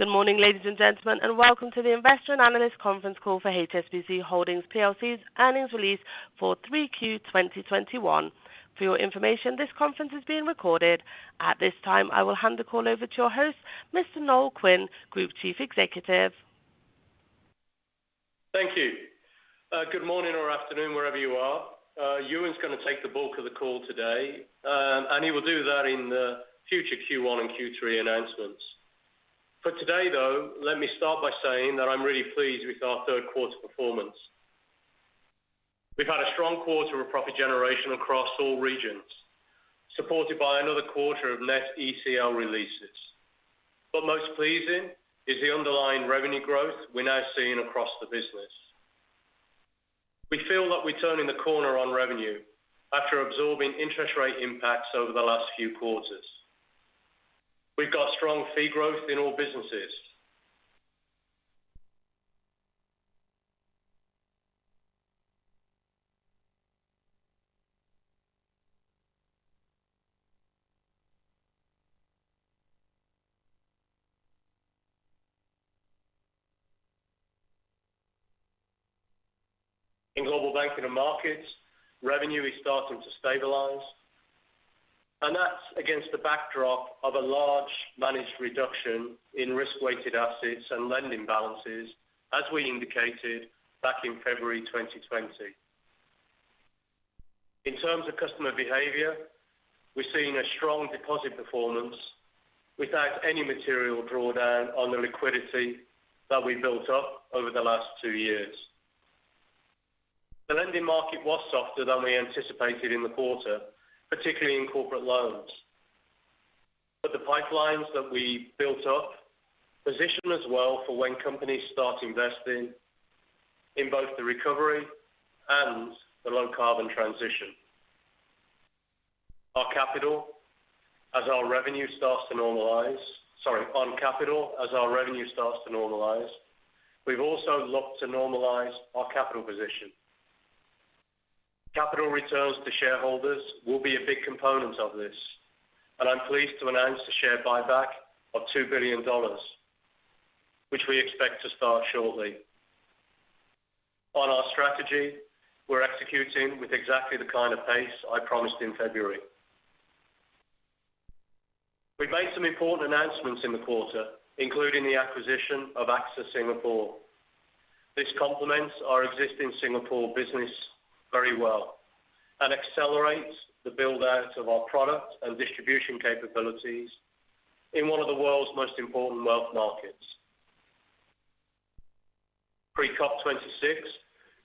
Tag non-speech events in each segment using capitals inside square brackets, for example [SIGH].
Good morning, ladies and gentlemen, and welcome to the Investor and Analyst Conference Call for HSBC Holdings plc's earnings release for 3Q 2021. For your information, this conference is being recorded. At this time, I will hand the call over to your host, Mr. Noel Quinn, Group Chief Executive. Thank you. Good morning or afternoon, wherever you are. Ewen's going to take the bulk of the call today. He will do that in the future Q1 and Q3 announcements. For today, though, let me start by saying that I'm really pleased with our third quarter performance. We've had a strong quarter of profit generation across all regions, supported by another quarter of net ECL releases. Most pleasing is the underlying revenue growth we're now seeing across the business. We feel that we're turning the corner on revenue after absorbing interest rate impacts over the last few quarters. We've got strong fee growth in all businesses. In Global Banking and Markets, revenue is starting to stabilize. That's against the backdrop of a large managed reduction in risk-weighted assets and lending balances, as we indicated back in February 2020. In terms of customer behavior, we're seeing a strong deposit performance without any material drawdown on the liquidity that we built up over the last two years. The lending market was softer than we anticipated in the quarter, particularly in corporate loans. The pipelines that we built up position us well for when companies start investing in both the recovery and the low-carbon transition. On capital, as our revenue starts to normalize, we've also looked to normalize our capital position. Capital returns to shareholders will be a big component of this, and I'm pleased to announce the share buyback of $2 billion, which we expect to start shortly. On our strategy, we're executing with exactly the kind of pace I promised in February. We've made some important announcements in the quarter, including the acquisition of AXA Singapore. This complements our existing Singapore business very well and accelerates the build-out of our product and distribution capabilities in one of the world's most important wealth markets. Pre-COP26,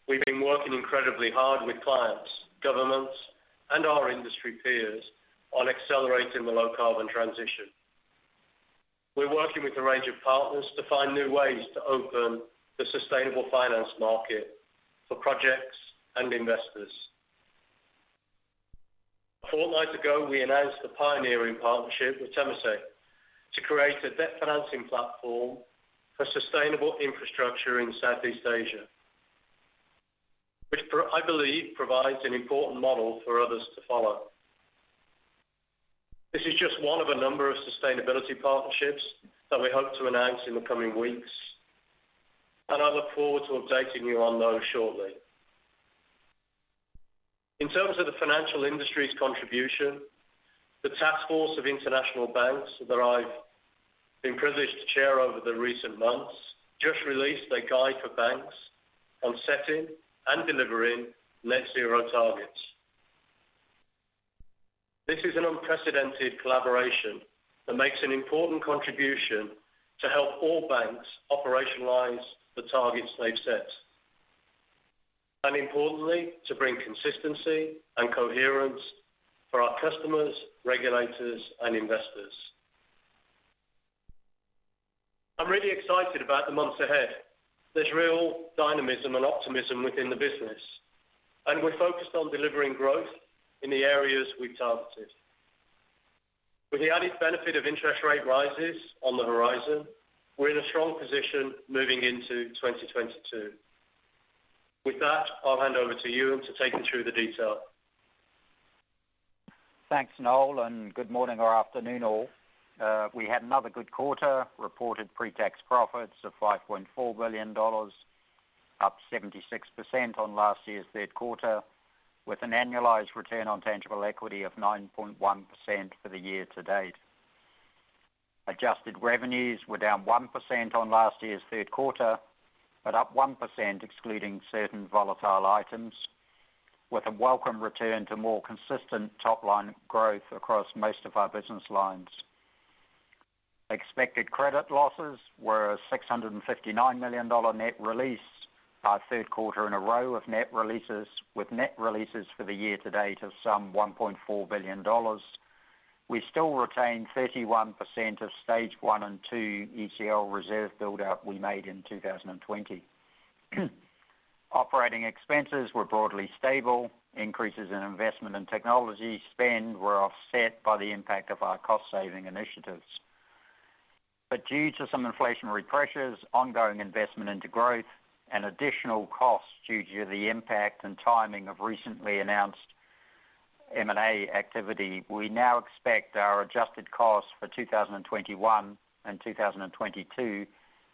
we've been working incredibly hard with clients, governments, and our industry peers on accelerating the low-carbon transition. We're working with a range of partners to find new ways to open the sustainable finance market for projects and investors. A fortnight ago, we announced a pioneering partnership with Temasek to create a debt financing platform for sustainable infrastructure in Southeast Asia, which I believe provides an important model for others to follow. This is just one of a number of sustainability partnerships that we hope to announce in the coming weeks, and I look forward to updating you on those shortly. In terms of the financial industry's contribution, the task force of international banks that I've been privileged to chair over the recent months just released a guide for banks on setting and delivering net zero targets. This is an unprecedented collaboration that makes an important contribution to help all banks operationalize the targets they've set, and importantly, to bring consistency and coherence for our customers, regulators, and investors. I'm really excited about the months ahead. There's real dynamism and optimism within the business, and we're focused on delivering growth in the areas we've targeted. With the added benefit of interest rate rises on the horizon, we're in a strong position moving into 2022. With that, I'll hand over to Ewen to take you through the detail. Thanks, Noel, and good morning or afternoon, all. We had another good quarter, reported pre-tax profits of $5.4 billion, up 76% on last year's third quarter, with an annualized return on tangible equity of 9.1% for the year-to-date. Adjusted revenues were down 1% on last year's third quarter, but up 1% excluding certain volatile items, with a welcome return to more consistent top-line growth across most of our business lines. Expected credit losses were a $659 million net release, our third quarter in a row of net releases, with net releases for the year-to-date of some $1.4 billion. We still retain 31% of Stage 1 and 2 ECL reserve build-out we made in 2020. Operating expenses were broadly stable. Increases in investment and technology spend were offset by the impact of our cost-saving initiatives. Due to some inflationary pressures, ongoing investment into growth and additional costs due to the impact and timing of recently announced M&A activity, we now expect our adjusted costs for 2021 and 2022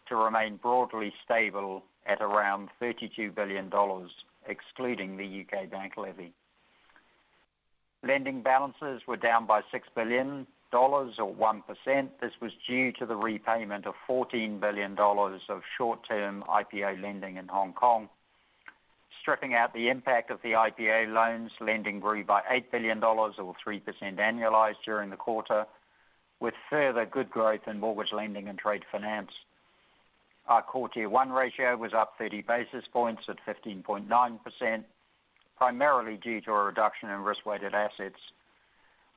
to remain broadly stable at around $32 billion, excluding the U.K. bank levy. Lending balances were down by $6 billion or 1%. This was due to the repayment of $14 billion of short-term IPO lending in Hong Kong. Stripping out the impact of the IPO loans, lending grew by $8 billion or 3% annualized during the quarter, with further good growth in mortgage lending and trade finance. Our Core Tier 1 ratio was up 30 basis points at 15.9%, primarily due to a reduction in risk-weighted assets.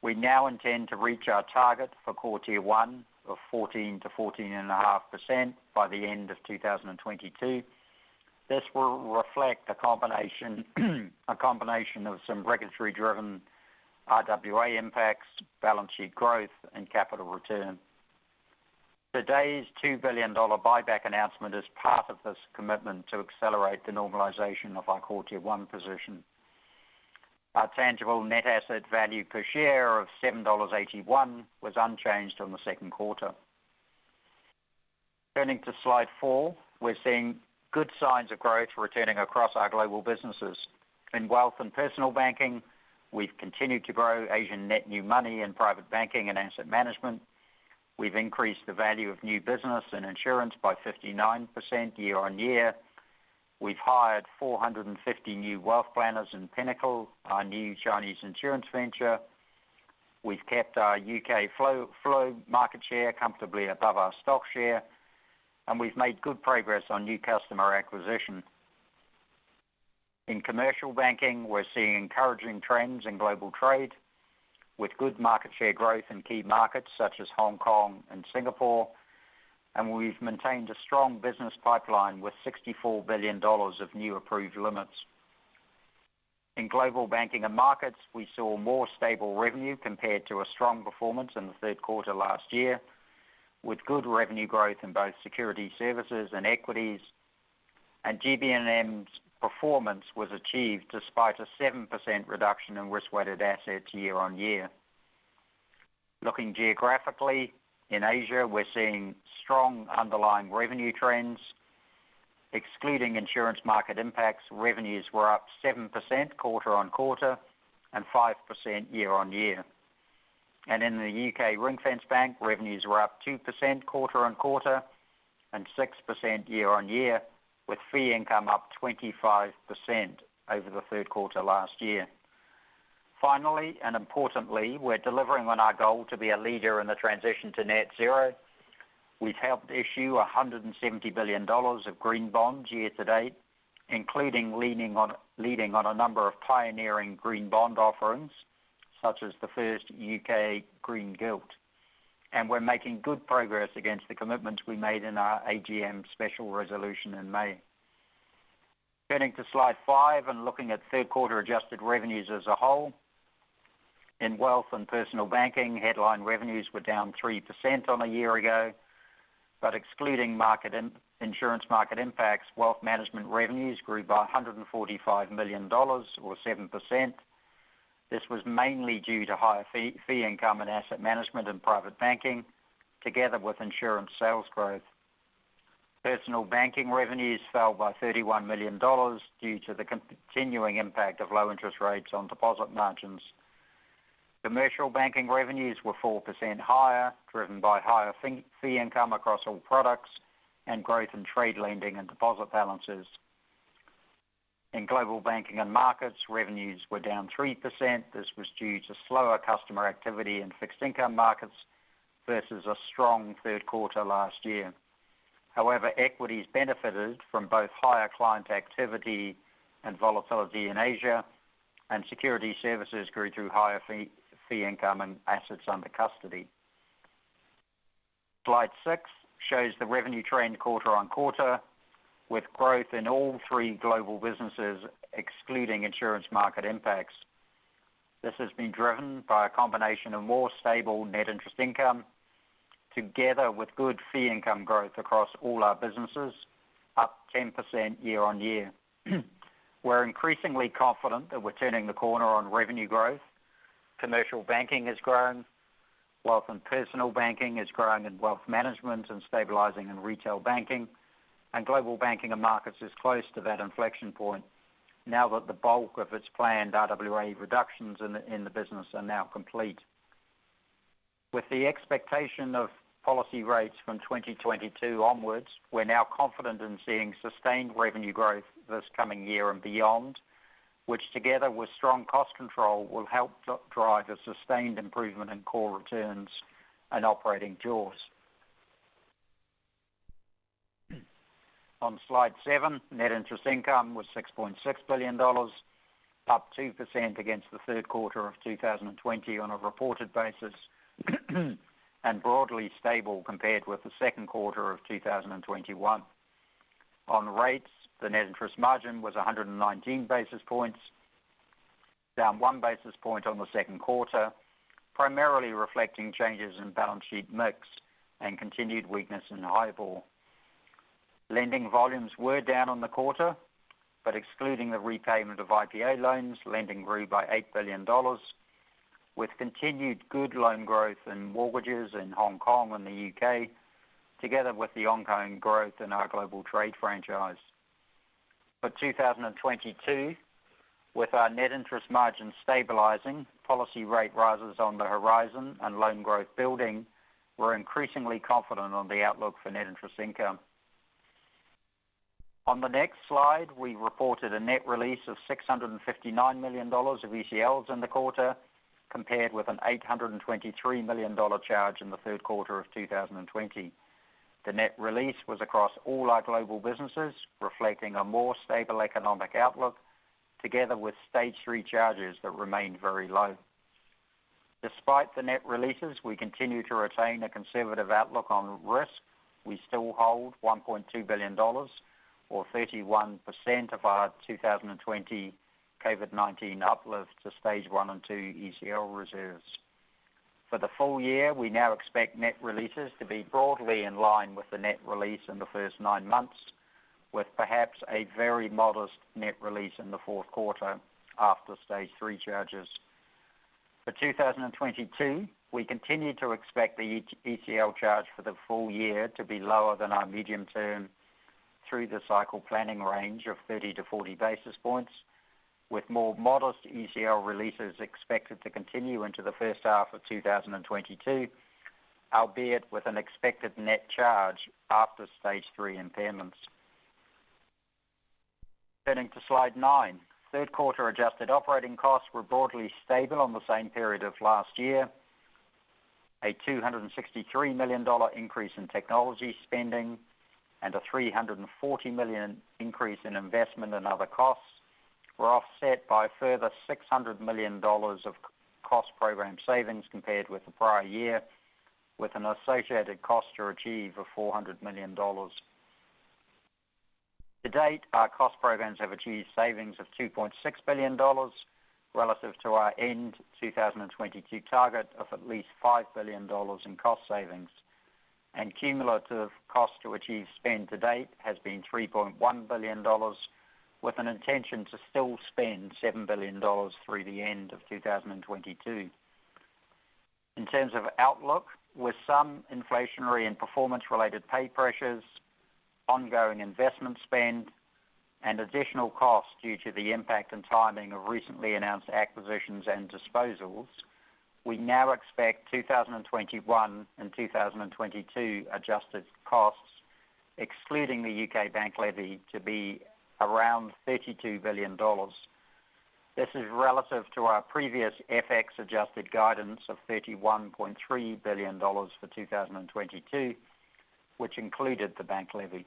We now intend to reach our target for Core Tier 1 of 14%-14.5% by the end of 2022. This will reflect a combination of some regulatory-driven RWA impacts, balance sheet growth, and capital return. Today's $2 billion buyback announcement is part of this commitment to accelerate the normalization of our Core Tier 1 position. Our tangible net asset value per share of $7.81 was unchanged on the second quarter. Turning to slide four. We're seeing good signs of growth returning across our global businesses. In Wealth and Personal Banking, we've continued to grow Asian net new money in private banking and asset management. We've increased the value of new business and insurance by 59% year-on-year. We've hired 450 new wealth planners in Pinnacle, our new Chinese insurance venture. We've kept our U.K. flow market share comfortably above our stock share, and we've made good progress on new customer acquisition. In Commercial Banking, we're seeing encouraging trends in global trade, with good market share growth in key markets such as Hong Kong and Singapore. We've maintained a strong business pipeline with $64 billion of new approved limits. In Global Banking and Markets, we saw more stable revenue compared to a strong performance in the third quarter last year, with good revenue growth in both security services and equities. GB&M's performance was achieved despite a 7% reduction in risk-weighted assets year-on-year. Looking geographically, in Asia, we're seeing strong underlying revenue trends. Excluding insurance market impacts, revenues were up 7% quarter-on-quarter and 5% year-on-year. In the U.K. Ring-Fence Bank, revenues were up 2% quarter-on-quarter and 6% year-on-year, with fee income up 25% over the third quarter last year. Finally, importantly, we're delivering on our goal to be a leader in the transition to net zero. We've helped issue $170 billion of green bonds year-to-date, including leading on a number of pioneering green bond offerings, such as the first U.K. green gilt. We're making good progress against the commitments we made in our AGM special resolution in May. Turning to slide five and looking at third quarter adjusted revenues as a whole. In Wealth and Personal Banking, headline revenues were down 3% on a year ago. Excluding insurance market impacts, wealth management revenues grew by $145 million or 7%. This was mainly due to higher fee income and asset management in private banking, together with insurance sales growth. Personal banking revenues fell by $31 million due to the continuing impact of low interest rates on deposit margins. Commercial Banking revenues were 4% higher, driven by higher fee income across all products and growth in trade lending and deposit balances. In Global Banking and Markets, revenues were down 3%. This was due to slower customer activity in fixed income markets versus a strong third quarter last year. However, equities benefited from both higher client activity and volatility in Asia. Security services grew through higher fee income and assets under custody. Slide six shows the revenue trend quarter-on-quarter with growth in all three global businesses, excluding insurance market impacts. This has been driven by a combination of more stable net interest income together with good fee income growth across all our businesses, up 10% year-on-year. We're increasingly confident that we're turning the corner on revenue growth. Commercial Banking is growing. Wealth and Personal Banking is growing in wealth management and stabilizing in retail banking. Global Banking and Markets is close to that inflection point now that the bulk of its planned RWA reductions in the business are now complete. With the expectation of policy rates from 2022 onwards, we're now confident in seeing sustained revenue growth this coming year and beyond, which together with strong cost control, will help drive a sustained improvement in core returns and operating jaws. On slide seven, net interest income was $6.6 billion, up 2% against the third quarter of 2020 on a reported basis and broadly stable compared with the second quarter of 2021. On rates, the net interest margin was 119 basis points, down 1 basis point on the second quarter, primarily reflecting changes in balance sheet mix and continued weakness in HIBOR. Lending volumes were down on the quarter, but excluding the repayment of IPO loans, lending grew by $8 billion. With continued good loan growth and mortgages in Hong Kong and the U.K., together with the ongoing growth in our global trade franchise. For 2022, with our net interest margin stabilizing, policy rate rises on the horizon, and loan growth building, we're increasingly confident on the outlook for net interest income. On the next slide, we reported a net release of $659 million of ECLs in the quarter, compared with an $823 million charge in the third quarter of 2020. The net release was across all our global businesses, reflecting a more stable economic outlook, together with Stage 3 charges that remained very low. Despite the net releases, we continue to retain a conservative outlook on risk. We still hold $1.2 billion or 31% of our 2020 COVID-19 uplift to Stage 1 and 2 ECL reserves. For the full year, we now expect net releases to be broadly in line with the net release in the first nine months, with perhaps a very modest net release in the fourth quarter after Stage 3 charges. For 2022, we continue to expect the ECL charge for the full year to be lower than our medium term through the cycle planning range of 30-40 basis points, with more modest ECL releases expected to continue into the first half of 2022, albeit with an expected net charge after Stage 3 impairments. Turning to slide nine. Third quarter adjusted operating costs were broadly stable on the same period of last year. A $263 million increase in technology spending and a $340 million increase in investment and other costs were offset by a further $600 million of cost program savings compared with the prior year, with an associated cost to achieve of $400 million. To date, our cost programs have achieved savings of $2.6 billion relative to our end 2022 target of at least $5 billion in cost savings, and cumulative cost to achieve spend to date has been $3.1 billion, with an intention to still spend $7 billion through the end of 2022. In terms of outlook, with some inflationary and performance-related pay pressures, ongoing investment spend, and additional costs due to the impact and timing of recently announced acquisitions and disposals, we now expect 2021 and 2022 adjusted costs, excluding the U.K. bank levy, to be around $32 billion. This is relative to our previous FX-adjusted guidance of $31.3 billion for 2022, which included the bank levy.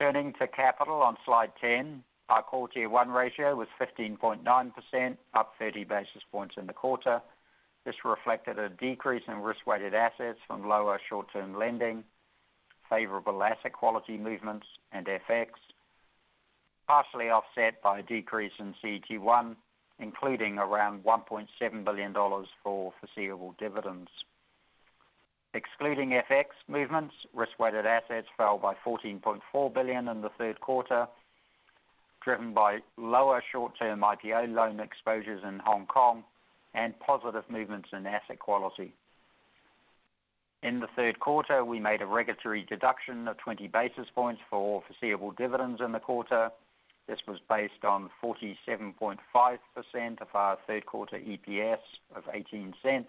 Turning to capital on slide 10. Our Core Tier 1 ratio was 15.9%, up 30 basis points in the quarter. This reflected a decrease in Risk-Weighted Assets from lower short-term lending, favorable asset quality movements, and FX, partially offset by a decrease in CET1, including around $1.7 billion for foreseeable dividends. Excluding FX movements, Risk-Weighted Assets fell by $14.4 billion in the third quarter, driven by lower short-term IPO loan exposures in Hong Kong and positive movements in asset quality. In the third quarter, we made a regulatory deduction of 20 basis points for foreseeable dividends in the quarter. This was based on 47.5% of our third quarter EPS of $0.18,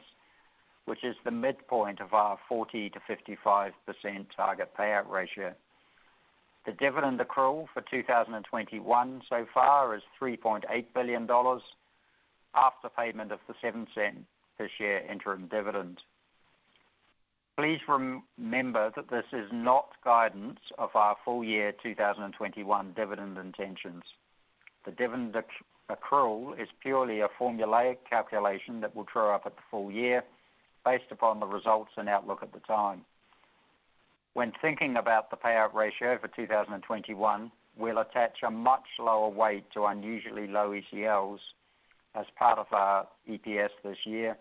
which is the midpoint of our 40%-55% target payout ratio. The dividend accrual for 2021 so far is $3.8 billion after payment of the $0.07 per share interim dividend. Please remember that this is not guidance of our full year 2021 dividend intentions. The dividend accrual is purely a formulaic calculation that will true up at the full year based upon the results and outlook at the time. When thinking about the payout ratio for 2021, we'll attach a much lower weight to unusually low ECLs as part of our EPS this year,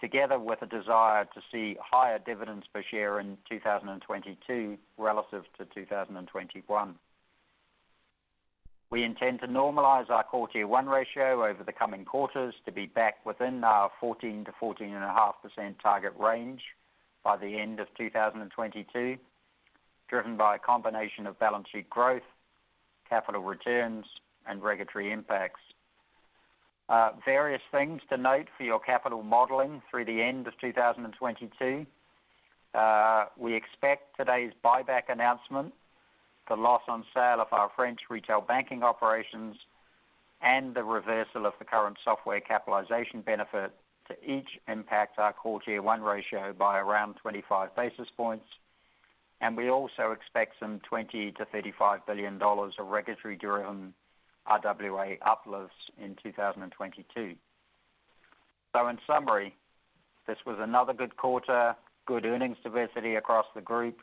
together with a desire to see higher dividends per share in 2022 relative to 2021. We intend to normalize our Core Tier 1 ratio over the coming quarters to be back within our 14%-14.5% target range by the end of 2022, driven by a combination of balance sheet growth, capital returns, and regulatory impacts. Various things to note for your capital modeling through the end of 2022. We expect today's buyback announcement, the loss on sale of our French retail banking operations, and the reversal of the current software capitalization benefit to each impact our Core Tier 1 ratio by around 25 basis points. We also expect some $20 billion-$35 billion of regulatory-driven RWA uplifts in 2022. In summary, this was another good quarter, good earnings diversity across the group,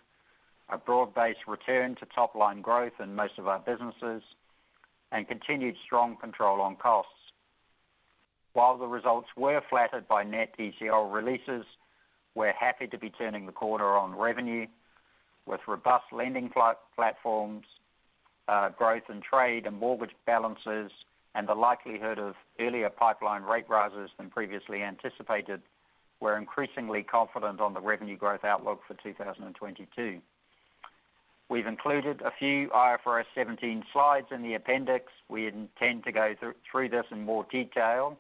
a broad-based return to top-line growth in most of our businesses, and continued strong control on costs. While the results were flattered by net ECL releases, we're happy to be turning the corner on revenue. With robust lending platforms, growth in trade and mortgage balances, and the likelihood of earlier pipeline rate rises than previously anticipated, we're increasingly confident on the revenue growth outlook for 2022. We've included a few IFRS 17 slides in the appendix. We intend to go through this in more detail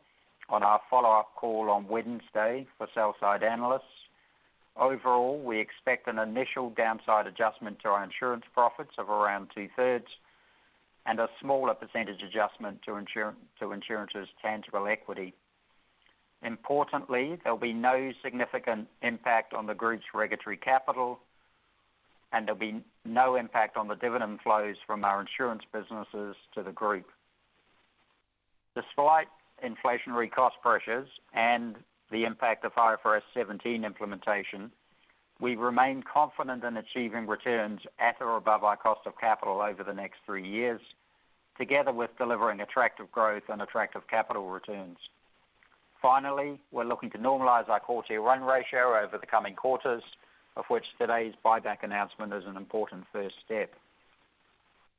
on our follow-up call on Wednesday for sell side analysts. Overall, we expect an initial downside adjustment to our insurance profits of around two-thirds and a smaller percentage adjustment to insurance's tangible equity. Importantly, there'll be no significant impact on the group's regulatory capital, and there'll be no impact on the dividend flows from our insurance businesses to the group. Despite inflationary cost pressures and the impact of IFRS 17 implementation, we remain confident in achieving returns at or above our cost of capital over the next three years, together with delivering attractive growth and attractive capital returns. Finally, we're looking to normalize our Core Tier 1 ratio over the coming quarters, of which today's buyback announcement is an important first step.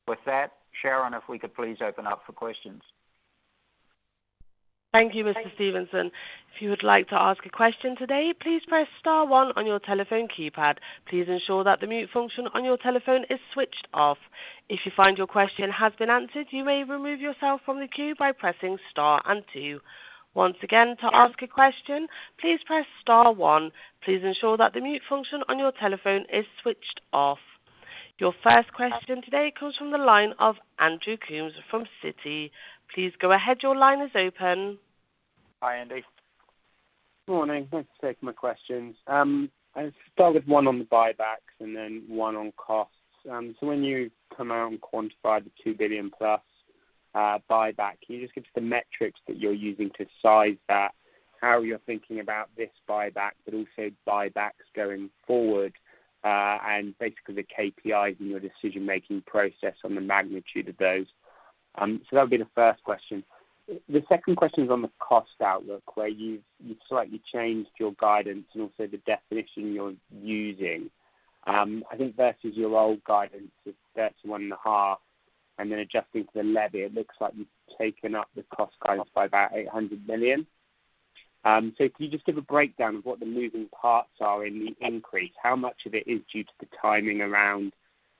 With that, Sharon, if we could please open up for questions. Thank you, Mr. Stevenson. If you would like to ask a question today please press star one on your telephone keypad. Please ensure that the mute function on your telephone is switched off. If you find your question has been answered you may remove yourself from the queue by pressing star and two. Once again, to ask a question please press star one. Please ensure that the mute function on your telephone is switched off. Your first question today comes from the line of Andrew Coombs from Citi. Please go ahead. Your line is open. Hi, Andy. Morning. Thanks for taking my questions. I'll start with one on the buybacks and then one on costs. When you come out and quantify the $2+ billion buyback, can you just give us the metrics that you're using to size that, how you're thinking about this buyback, but also buybacks going forward, and basically the KPIs in your decision-making process on the magnitude of those? That'll be the first question. The second question is on the cost outlook, where you've slightly changed your guidance and also the definition you're using. I think versus your old guidance of [$1.5] billion and then adjusting for the levy, it looks like you've taken up the cost guidance by about $800 million. Can you just give a breakdown of what the moving parts are in the increase? How much of it is due to the timing around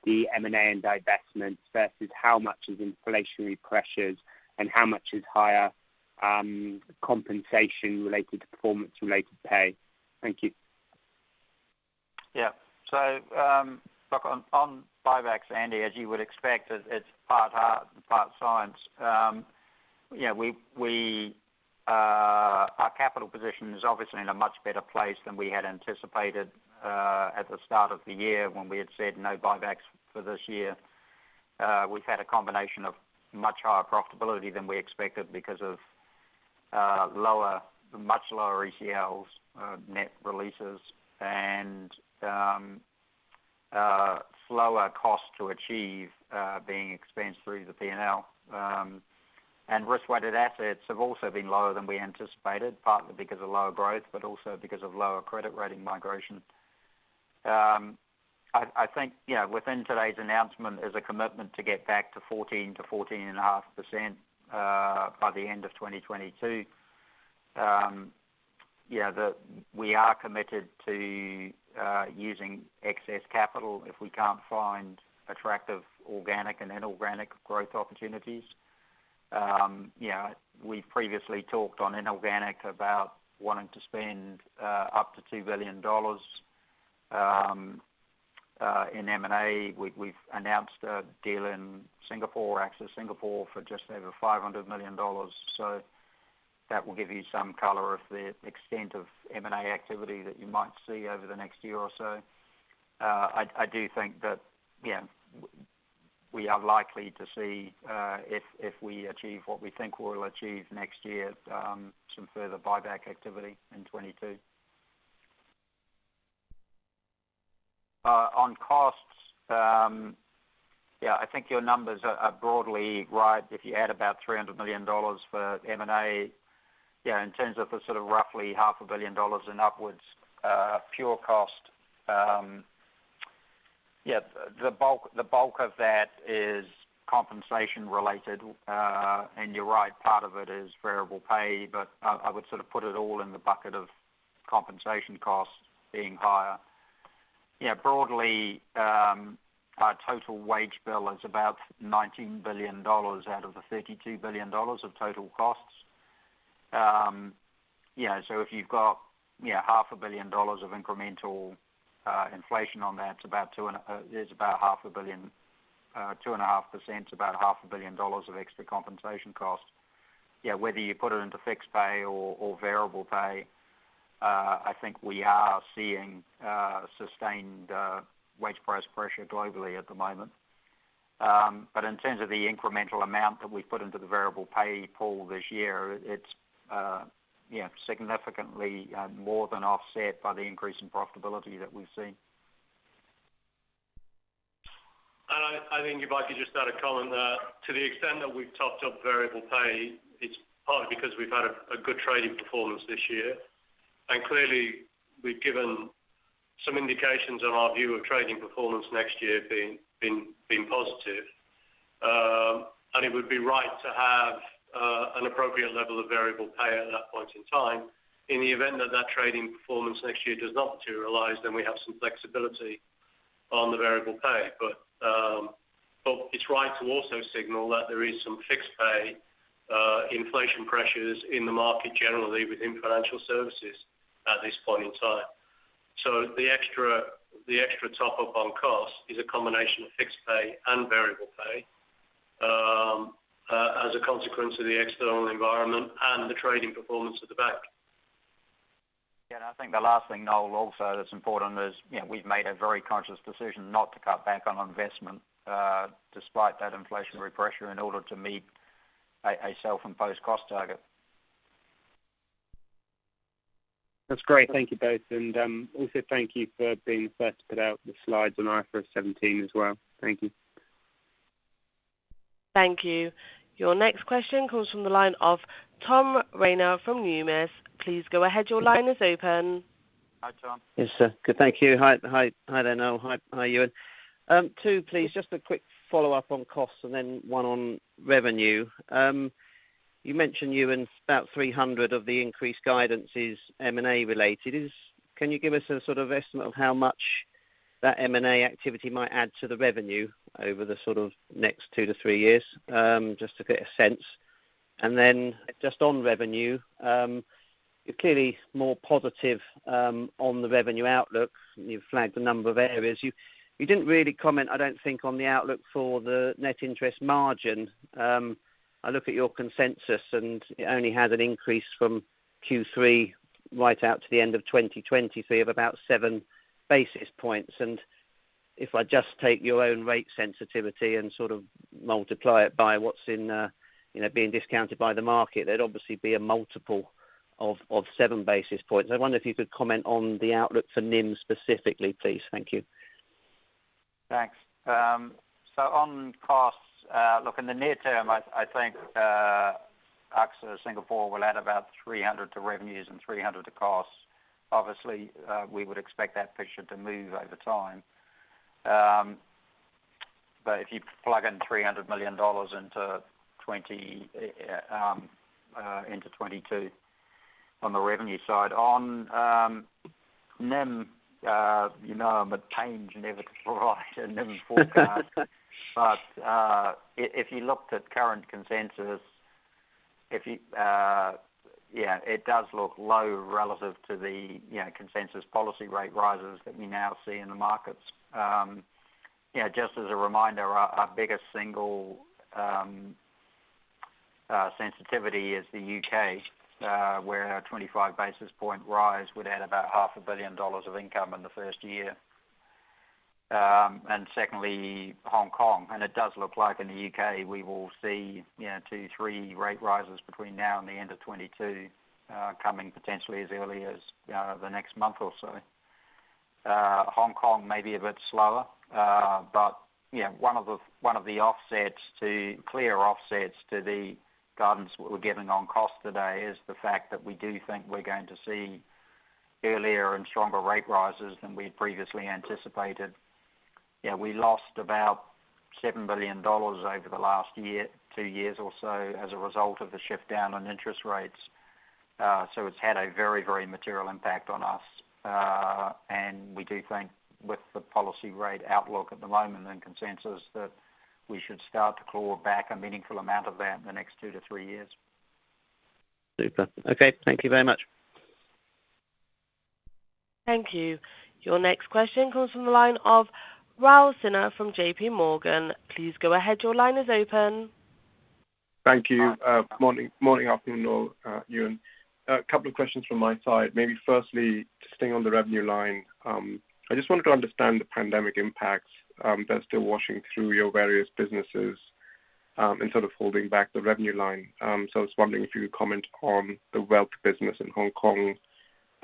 the M&A and divestments versus how much is inflationary pressures and how much is higher compensation related to performance related pay? Thank you. Look, on buybacks, Andy, as you would expect, it's part heart and part science. Our capital position is obviously in a much better place than we had anticipated at the start of the year when we had said no buybacks for this year. We've had a combination of much higher profitability than we expected because of much lower ECLs, net releases, and slower costs to achieve being expensed through the P&L. Risk-Weighted Assets have also been lower than we anticipated, partly because of lower growth, but also because of lower credit rating migration. I think within today's announcement is a commitment to get back to 14%-14.5% by the end of 2022. We are committed to using excess capital if we can't find attractive organic and inorganic growth opportunities. We've previously talked on inorganic about wanting to spend up to $2 billion. In M&A, we've announced a deal in Singapore, AXA Singapore, for just over $500 million. That will give you some color of the extent of M&A activity that you might see over the next year or so. I do think that we are likely to see, if we achieve what we think we'll achieve next year, some further buyback activity in 2022. On costs, I think your numbers are broadly right. If you add about $300 million for M&A, in terms of the sort of roughly $500 million and upwards pure cost. The bulk of that is compensation related. You're right, part of it is variable pay, but I would put it all in the bucket of compensation costs being higher. Broadly, our total wage bill is about $19 billion out of the $32 billion of total costs. If you've got $500 million of incremental inflation on that, it's about $500 million, 2.5%, about $500 million of extra compensation costs. Whether you put it into fixed pay or variable pay, I think we are seeing sustained wage price pressure globally at the moment. In terms of the incremental amount that we put into the variable pay pool this year, it's significantly more than offset by the increase in profitability that we've seen. I think, Ewen, if I could just add a comment. To the extent that we've topped up variable pay, it's partly because we've had a good trading performance this year. Clearly, we've given some indications on our view of trading performance next year being positive. It would be right to have an appropriate level of variable pay at that point in time. In the event that that trading performance next year does not materialize, we have some flexibility on the variable pay. It's right to also signal that there is some fixed pay inflation pressures in the market, generally within financial services at this point in time. The extra top-up on cost is a combination of fixed pay and variable pay as a consequence of the external environment and the trading performance of the bank. Yeah, I think the last thing, Noel, also that's important is we've made a very conscious decision not to cut back on investment despite that inflationary pressure in order to meet a self-imposed cost target. That's great. Thank you both, and also thank you for being the first to put out the slides on IFRS 17 as well. Thank you. Thank you. Your next question comes from the line of Tom Rayner from Numis. Please go ahead. Your line is open. Hi, Tom. Yes, sir. Good, thank you. Hi there, Noel. Hi, Ewen. Two, please. Just a quick follow-up on costs. Then just a quick follow-up on costs and then one on revenue. You mentioned, Ewen, about $300 million of the increased guidance is M&A related. Can you give us a sort of estimate of how much that M&A activity might add to the revenue over the next two to three years? Just to get a sense. Then just on revenue, you're clearly more positive on the revenue outlook. You've flagged a number of areas. You didn't really comment, I don't think, on the outlook for the net interest margin. I look at your consensus, it only has an increase from Q3 right out to the end of 2023 of about 7 basis points. If I just take your own rate sensitivity and sort of multiply it by what's being discounted by the market, there'd obviously be a multiple of 7 basis points. I wonder if you could comment on the outlook for NIM specifically, please. Thank you. On costs, look, in the near term, I think AXA Singapore will add about $300 million to revenues and $300 million to costs. Obviously, we would expect that picture to move over time. If you plug in $300 million into 2022 on the revenue side. On NIM, you know I'm a [AUDIO DISTORTION] never provide a NIM forecast. If you looked at current consensus, it does look low relative to the consensus policy rate rises that we now see in the markets. Just as a reminder, our biggest single sensitivity is the U.K., where a 25 basis point rise would add about $500 million of income in the first year. Secondly, Hong Kong. It does look like in the U.K. we will see two, three rate rises between now and the end of 2022, coming potentially as early as the next month or so. Hong Kong may be a bit slower. One of the clear offsets to the guidance that we're giving on cost today is the fact that we do think we're going to see earlier and stronger rate rises than we had previously anticipated. We lost about $7 billion over the last two years or so as a result of the shift down on interest rates. It's had a very material impact on us. We do think with the policy rate outlook at the moment and consensus that we should start to claw back a meaningful amount of that in the next two to three years. Super. Okay. Thank you very much. Thank you. Your next question comes from the line of Raul Sinha from JPMorgan. Please go ahead. Your line is open. Thank you. Morning, afternoon, Noel, Ewen. A couple of questions from my side. Maybe firstly, just staying on the revenue line. I just wanted to understand the pandemic impacts that are still washing through your various businesses and sort of holding back the revenue line. I was wondering if you could comment on the wealth business in Hong Kong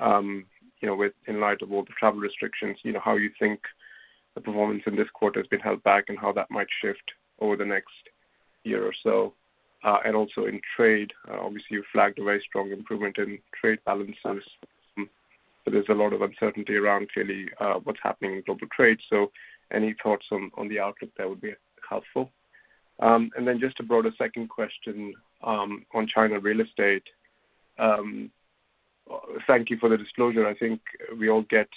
in light of all the travel restrictions. How you think the performance in this quarter has been held back and how that might shift over the next year or so. Also in trade, obviously you flagged a very strong improvement in trade balances. There's a lot of uncertainty around clearly what's happening in global trade. Any thoughts on the outlook there would be helpful. Then just a broader second question on China real estate. Thank you for the disclosure. I think we all get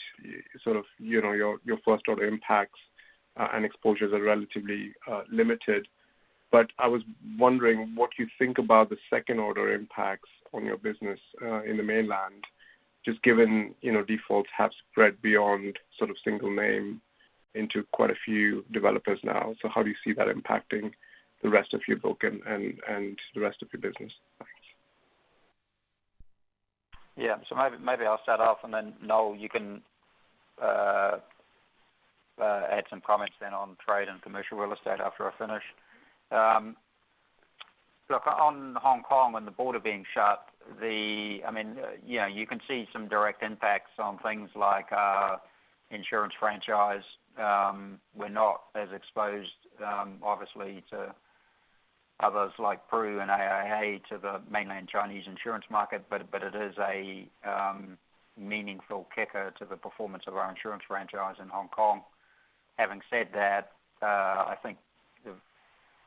your first order impacts and exposures are relatively limited. I was wondering what you think about the second order impacts on your business in the mainland. Just given defaults have spread beyond single name into quite a few developers now. How do you see that impacting the rest of your book and the rest of your business? Thanks. Maybe I'll start off and then, Noel, you can add some comments then on trade and commercial real estate after I finish. On Hong Kong and the border being shut, you can see some direct impacts on things like our insurance franchise. We're not as exposed, obviously, to others like Pru and AIA to the mainland Chinese insurance market, but it is a meaningful kicker to the performance of our insurance franchise in Hong Kong. Having said that, I think the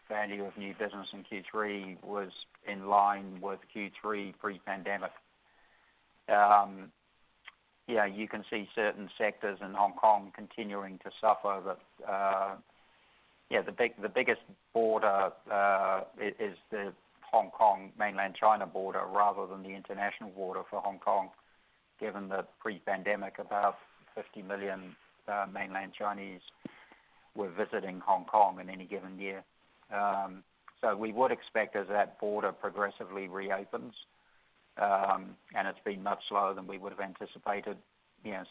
value of new business in Q3 was in line with Q3 pre-pandemic. You can see certain sectors in Hong Kong continuing to suffer. The biggest border is the Hong Kong mainland China border rather than the international border for Hong Kong, given that pre-pandemic, about 50 million mainland Chinese were visiting Hong Kong in any given year. We would expect as that border progressively reopens, and it's been much slower than we would've anticipated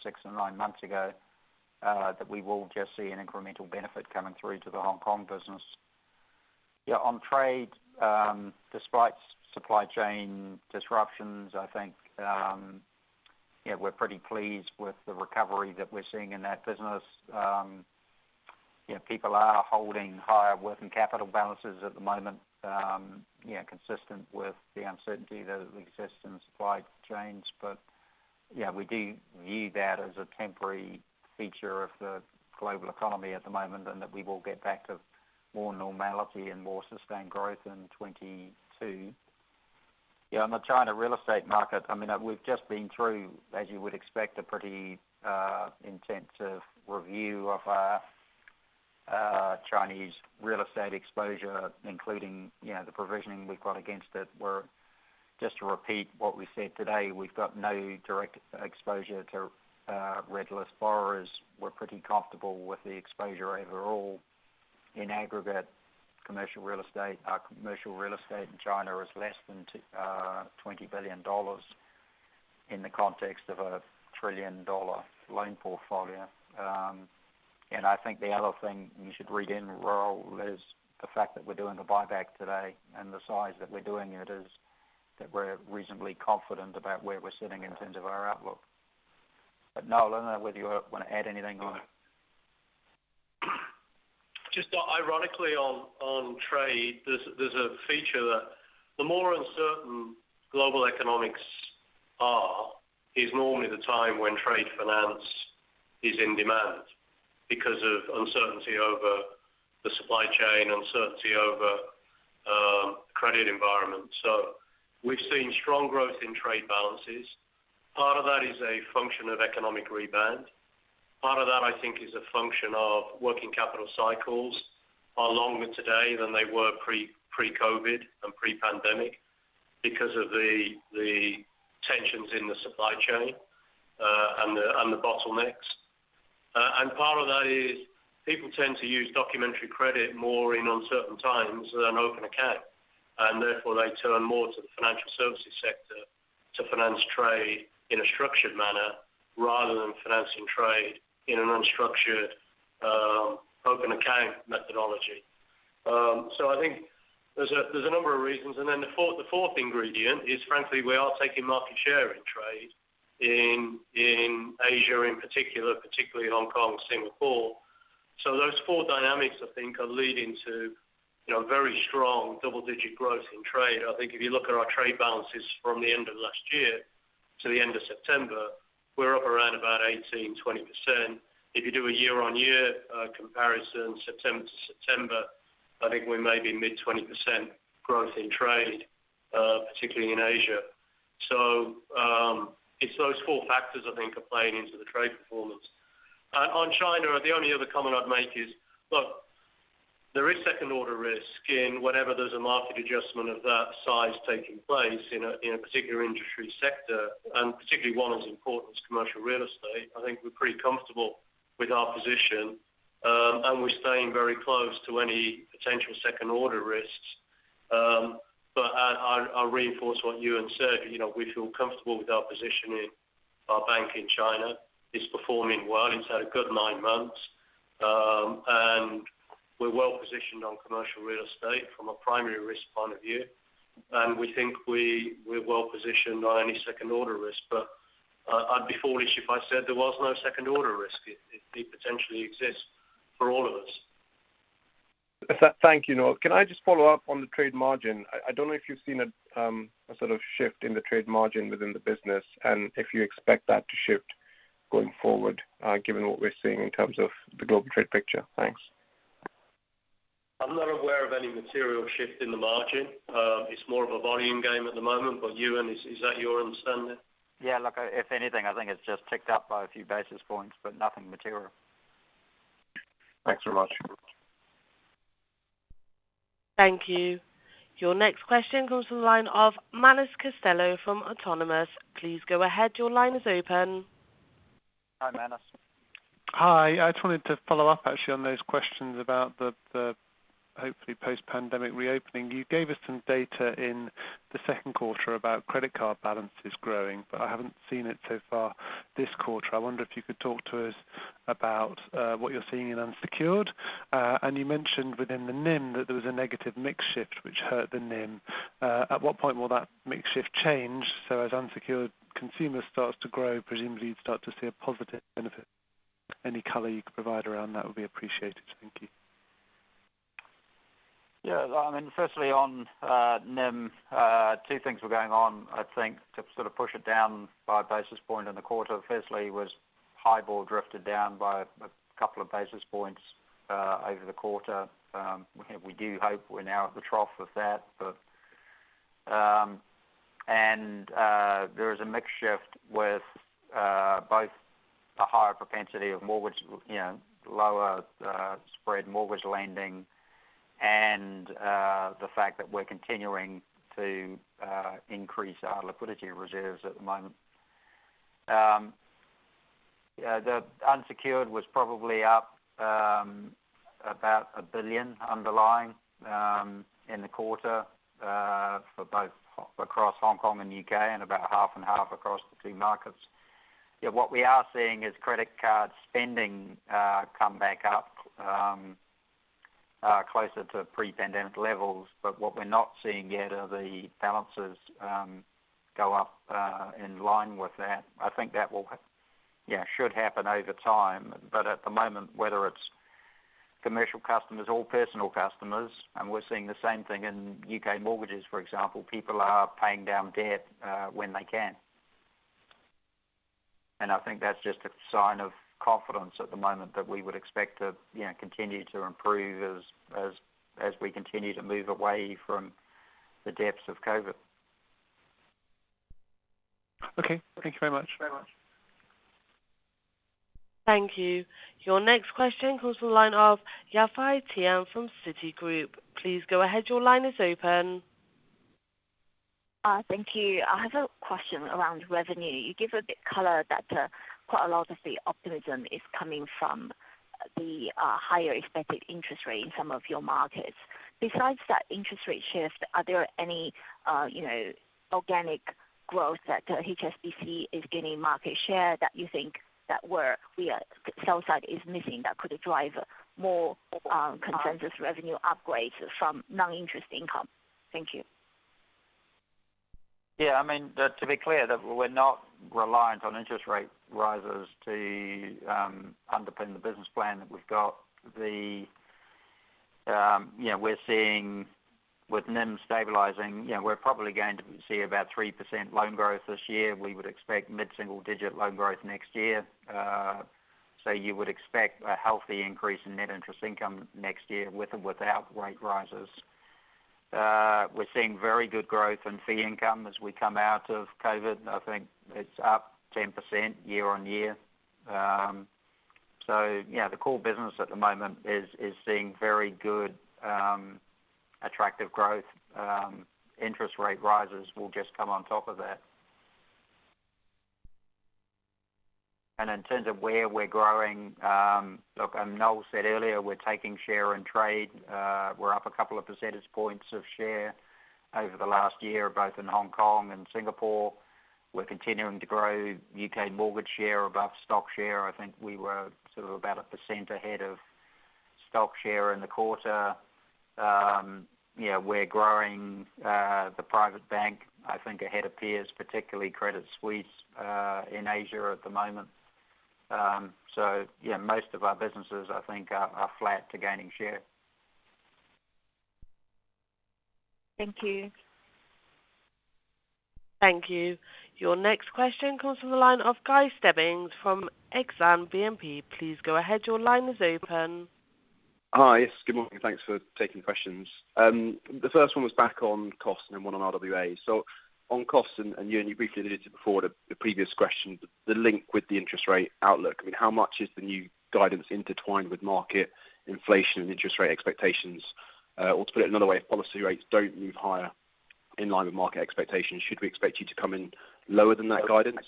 six and nine months ago, that we will just see an incremental benefit coming through to the Hong Kong business. On trade, despite supply chain disruptions, I think, we're pretty pleased with the recovery that we're seeing in that business. People are holding higher working capital balances at the moment, consistent with the uncertainty that exists in supply chains. We do view that as a temporary feature of the global economy at the moment, and that we will get back to more normality and more sustained growth in 2022. On the China real estate market, we've just been through, as you would expect, a pretty intensive review of our Chinese real estate exposure, including the provisioning we've got against it, where, just to repeat what we said today, we've got no direct exposure to reckless borrowers. We're pretty comfortable with the exposure overall. In aggregate commercial real estate, our commercial real estate in China is less than $20 billion in the context of a trillion-dollar loan portfolio. I think the other thing you should read in, Raul, is the fact that we're doing a buyback today, and the size that we're doing it is that we're reasonably confident about where we're sitting in terms of our outlook. Noel, I don't know whether you want to add anything on that. Just ironically on trade, there's a feature that the more uncertain global economics are is normally the time when trade finance is in demand because of uncertainty over the supply chain, uncertainty over credit environment. We've seen strong growth in trade balances. Part of that is a function of economic rebound. Part of that, I think, is a function of working capital cycles are longer today than they were pre-COVID and pre-pandemic because of the tensions in the supply chain and the bottlenecks. Part of that is people tend to use documentary credit more in uncertain times than open account, and therefore they turn more to the financial services sector to finance trade in a structured manner rather than financing trade in an unstructured open account methodology. I think there's a number of reasons. The fourth ingredient is, frankly, we are taking market share in trade in Asia in particular, particularly Hong Kong, Singapore. Those four dynamics, I think, are leading to very strong double-digit growth in trade. I think if you look at our trade balances from the end of last year to the end of September, we're up around about 18%-20%. If you do a year-on-year comparison, September to September, I think we may be mid-20% growth in trade, particularly in Asia. It's those four factors I think are playing into the trade performance. On China, the only other comment I'd make is, look, there is second-order risk in whenever there's a market adjustment of that size taking place in a particular industry sector, and particularly one as important as commercial real estate. I think we're pretty comfortable with our position. We're staying very close to any potential second-order risks. I'll reinforce what Ewen said. We feel comfortable with our position in our bank in China. It's performing well. It's had a good nine months. We're well-positioned on commercial real estate from a primary risk point of view. We think we're well positioned on any second-order risk. I'd be foolish if I said there was no second-order risk. It potentially exists for all of us. Thank you, Noel. Can I just follow up on the trade margin? I don't know if you've seen a sort of shift in the trade margin within the business and if you expect that to shift going forward, given what we're seeing in terms of the global trade picture. Thanks. I'm not aware of any material shift in the margin. It's more of a volume game at the moment. Ewen, is that your understanding? Yeah. Look, if anything, I think it's just ticked up by a few basis points, but nothing material. Thanks very much. Thank you. Your next question comes from the line of Manus Costello from Autonomous. Please go ahead. Your line is open. Hi, Manus. Hi. I just wanted to follow up actually on those questions about the hopefully post-pandemic reopening. You gave us some data in the second quarter about credit card balances growing. I haven't seen it so far this quarter. I wonder if you could talk to us about what you're seeing in unsecured. You mentioned within the NIM that there was a negative mix shift which hurt the NIM. At what point will that mix shift change? As unsecured consumer starts to grow, presumably you'd start to see a positive benefit. Any color you could provide around that would be appreciated. Thank you. On NIM, two things were going on, I think, to sort of push it down 5 basis point in the quarter. Was HIBOR drifted down by a couple of basis points over the quarter. We do hope we're now at the trough of that. There is a mix shift with both a higher propensity of lower spread mortgage lending and the fact that we're continuing to increase our liquidity reserves at the moment. The unsecured was probably up about $1 billion underlying in the quarter, for both across Hong Kong and U.K., and about half and half across the two markets. What we are seeing is credit card spending come back up closer to pre-pandemic levels. What we're not seeing yet are the balances go up in line with that. I think that should happen over time. At the moment, whether it's commercial customers or personal customers, and we're seeing the same thing in U.K. mortgages, for example, people are paying down debt when they can. I think that's just a sign of confidence at the moment that we would expect to continue to improve as we continue to move away from the depths of COVID. Okay. Thank you very much. Thank you. Your next question comes from the line of Yafei Tian from Citigroup. Please go ahead. Your line is open. Thank you. I have a question around revenue. You give a bit color that quite a lot of the optimism is coming from the higher expected interest rate in some of your markets. Besides that interest rate shift, are there any organic growth that HSBC is gaining market share that you think that sell side is missing that could drive more consensus revenue upgrades from non-interest income? Thank you. Yeah. To be clear, we're not reliant on interest rate rises to underpin the business plan that we've got. We're seeing with NIM stabilizing, we're probably going to see about 3% loan growth this year. We would expect mid-single digit loan growth next year. You would expect a healthy increase in net interest income next year with or without rate rises. We're seeing very good growth in fee income as we come out of COVID. I think it's up 10% year-on-year. Yeah, the core business at the moment is seeing very good attractive growth. Interest rate rises will just come on top of that. In terms of where we're growing, look, and Noel said earlier, we're taking share in trade. We're up 2 percentage points of share over the last year, both in Hong Kong and Singapore. We're continuing to grow U.K. mortgage share above stock share. I think we were sort of about 1% ahead of stock share in the quarter. We're growing the private bank, I think ahead of peers, particularly Credit Suisse, in Asia at the moment. Yeah, most of our businesses, I think, are flat to gaining share. Thank you. Thank you. Your next question comes from the line of Guy Stebbings from Exane BNP. Please go ahead. Hi. Yes, good morning. Thanks for taking questions. The first one was back on cost and one on RWAs. On costs, and you briefly alluded to before the previous question, the link with the interest rate outlook. How much is the new guidance intertwined with market inflation and interest rate expectations? Or to put it another way, if policy rates don't move higher in line with market expectations, should we expect you to come in lower than that guidance?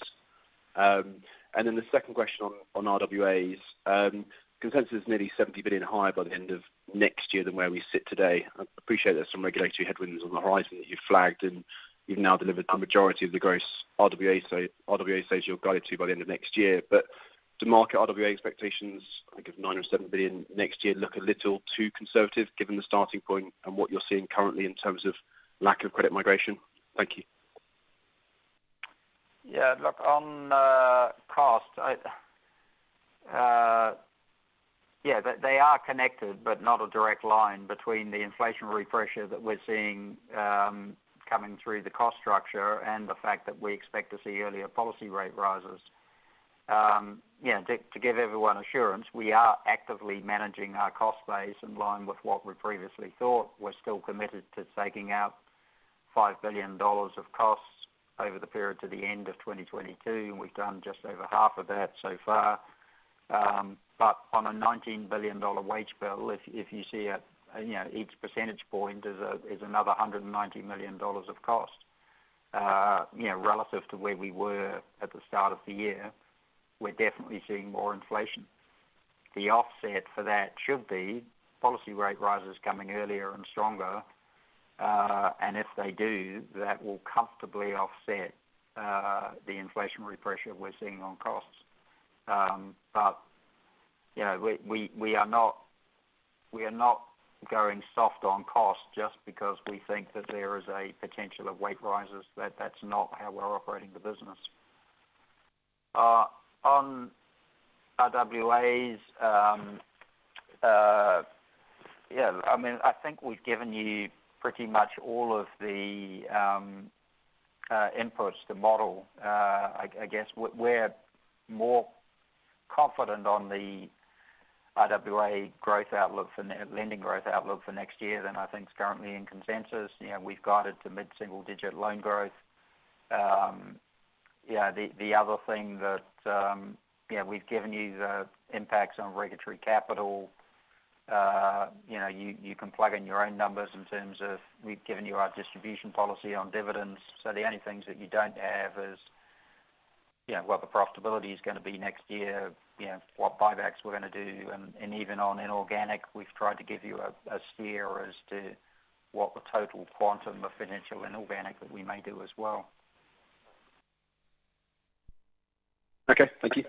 Then the second question on RWAs. Consensus is nearly $70 billion higher by the end of next year than where we sit today. I appreciate there's some regulatory headwinds on the horizon that you flagged, and you've now delivered a majority of the gross RWAs says you're guided to by the end of next year. To market RWA expectations, I think of $9 billion or $7 billion next year look a little too conservative given the starting point and what you're seeing currently in terms of lack of credit migration. Thank you. Look, on cost. They are connected, but not a direct line between the inflationary pressure that we're seeing coming through the cost structure and the fact that we expect to see earlier policy rate rises. To give everyone assurance, we are actively managing our cost base in line with what we previously thought. We're still committed to taking out $5 billion of costs over the period to the end of 2022, and we've done just over half of that so far. On a $19 billion wage bill, if you see each 1 percentage point is another $190 million of cost. Relative to where we were at the start of the year, we're definitely seeing more inflation. The offset for that should be policy rate rises coming earlier and stronger. If they do, that will comfortably offset the inflationary pressure we're seeing on costs. We are not going soft on cost just because we think that there is a potential of wage rises. That's not how we're operating the business. On RWAs, I think we've given you pretty much all of the inputs to model. I guess we're more confident on the RWA lending growth outlook for next year than I think is currently in consensus. We've got it to mid-single digit loan growth. The other thing that we've given you the impacts on regulatory capital. You can plug in your own numbers in terms of we've given you our distribution policy on dividends. The only things that you don't have is what the profitability is going to be next year, what buybacks we're going to do, and even on inorganic, we've tried to give you a steer as to what the total quantum of financial inorganic that we may do as well. Okay. Thank you.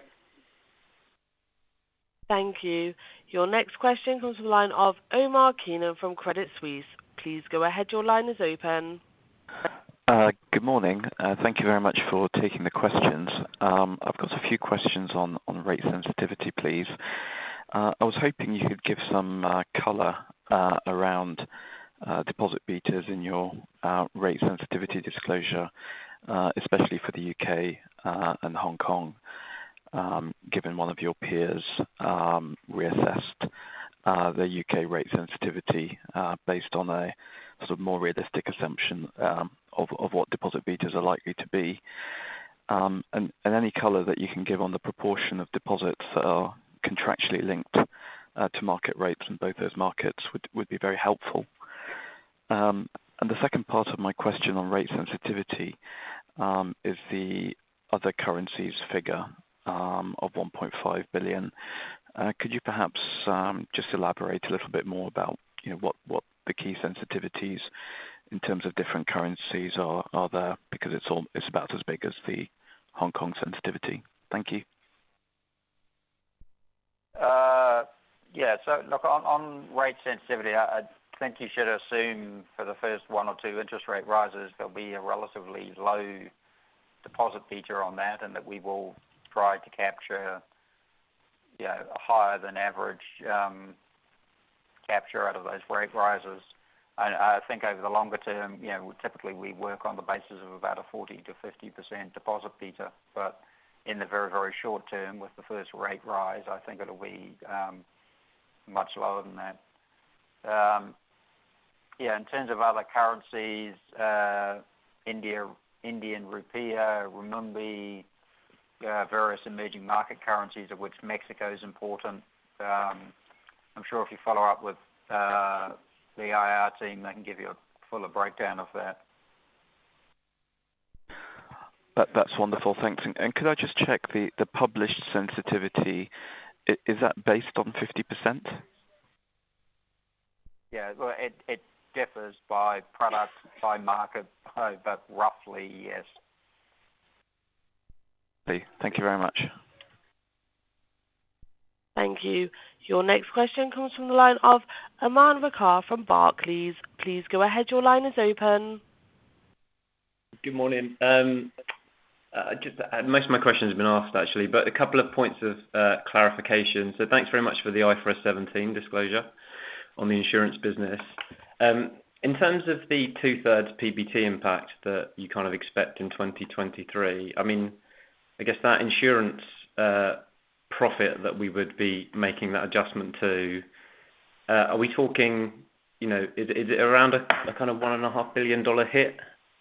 Thank you. Your next question comes from the line of Omar Keenan from Credit Suisse. Please go ahead. Your line is open. Good morning. Thank you very much for taking the questions. I've got a few questions on rate sensitivity, please. I was hoping you could give some color around deposit betas in your rate sensitivity disclosure, especially for the U.K. and Hong Kong, given one of your peers reassessed their U.K. rate sensitivity based on a more realistic assumption of what deposit betas are likely to be. Any color that you can give on the proportion of deposits that are contractually linked to market rates in both those markets would be very helpful. The second part of my question on rate sensitivity is the other currencies figure of $1.5 billion. Could you perhaps just elaborate a little bit more about what the key sensitivities in terms of different currencies are there? Because it's about as big as the Hong Kong sensitivity. Thank you. Look, on rate sensitivity, I think you should assume for the first one or two interest rate rises, there'll be a relatively low deposit beta on that, and that we will try to capture a higher than average capture out of those rate rises. I think over the longer term, typically we work on the basis of about a 40%-50% deposit beta. In the very short term with the first rate rise, I think it'll be much lower than that. In terms of other currencies, Indian rupee, renminbi, various emerging market currencies of which Mexico is important. I'm sure if you follow up with the IR team, they can give you a fuller breakdown of that. That's wonderful. Thanks. Could I just check the published sensitivity, is that based on 50%? Yeah. Well, it differs by product, by market, but roughly, yes. Thank you very much. Thank you. Your next question comes from the line of Aman Rakkar from Barclays. Please go ahead. Your line is open. Good morning. Most of my questions have been asked actually, but a couple of points of clarification. Thanks very much for the IFRS 17 disclosure on the insurance business. In terms of the 2/3 PBT impact that you expect in 2023, I guess that insurance profit that we would be making that adjustment to, is it around a kind of $1.5 billion hit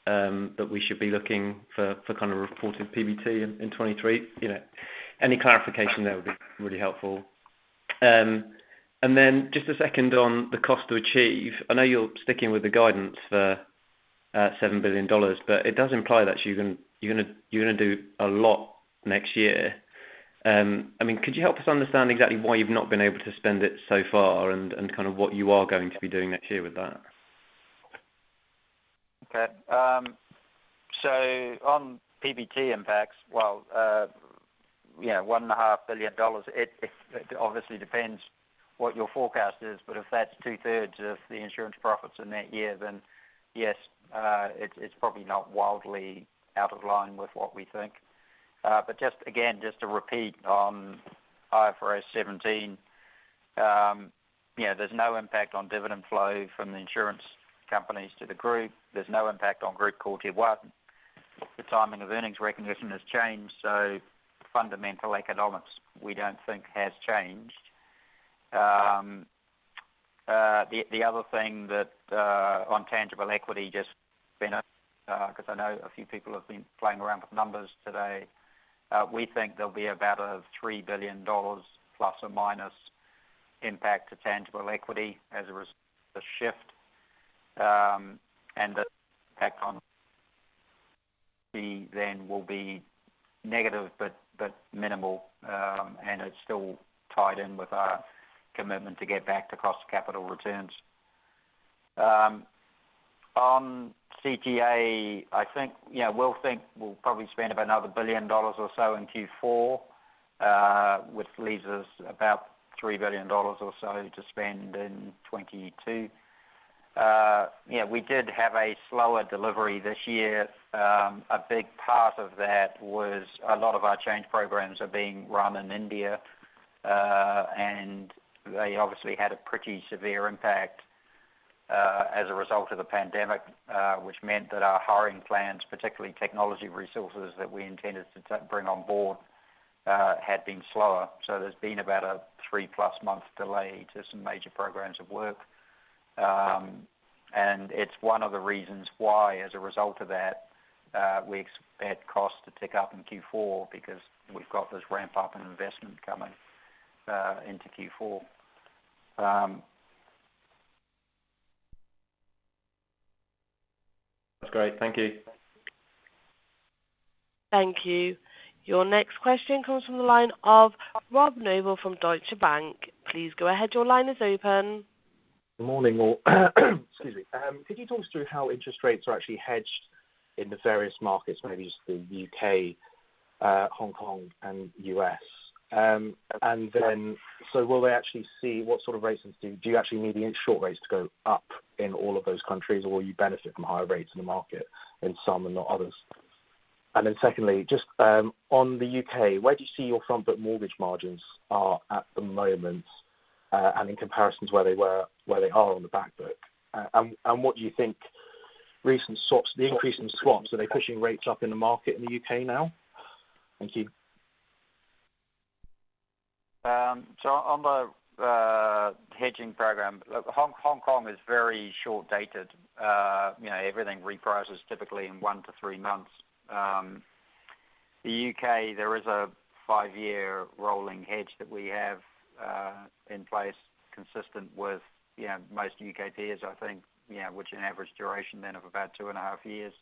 that we should be looking for kind of reported PBT in 2023? Any clarification there would be really helpful. Just a second on the cost to achieve. I know you're sticking with the guidance for $7 billion, but it does imply that you're going to do a lot next year. Could you help us understand exactly why you've not been able to spend it so far and kind of what you are going to be doing next year with that? On PBT impacts, well, $1.5 billion, it obviously depends what your forecast is. If that's two-thirds of the insurance profits in that year, then yes, it's probably not wildly out of line with what we think. Again, just to repeat on IFRS 17, there's no impact on dividend flow from the insurance companies to the Group. There's no impact on Group Core Tier 1. The timing of earnings recognition has changed, fundamental economics we don't think has changed. The other thing on tangible equity, just because I know a few people have been playing around with numbers today. We think there'll be about a $3 billion ± impact to tangible equity as a result of the shift. The impact on then will be negative but minimal, and it's still tied in with our commitment to get back to cost of capital returns. On CTA, we'll think we'll probably spend about another $1 billion or so in Q4, which leaves us about $3 billion or so to spend in 2022. Yeah, we did have a slower delivery this year. A big part of that was a lot of our change programs are being run in India. They obviously had a pretty severe impact as a result of the pandemic, which meant that our hiring plans, particularly technology resources that we intended to bring on board, had been slower. There's been about a 3+ month delay to some major programs of work. It's one of the reasons why, as a result of that, we expect costs to tick up in Q4 because we've got this ramp up in investment coming into Q4. That's great. Thank you. Thank you. Your next question comes from the line of Rob Noble from Deutsche Bank. Please go ahead. Your line is open. Good morning, all. Excuse me. Could you talk us through how interest rates are actually hedged in the various markets, maybe the U.K., Hong Kong, and U.S.? Will they actually see what sort of rates, do you actually need the short rates to go up in all of those countries, or will you benefit from higher rates in the market in some and not others? Secondly, just on the U.K., where do you see your front book mortgage margins are at the moment and in comparison to where they are on the back book? What do you think recent swaps, the increase in swaps, are they pushing rates up in the market in the U.K. now? Thank you. On the hedging program, Hong Kong is very short-dated. Everything reprices typically in one to three months. The U.K., there is a five-year rolling hedge that we have in place consistent with most U.K. peers, I think, which an average duration then of about two and a half years.